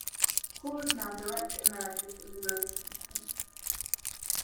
Hall is now Director Emeritus of The Rose Kingston.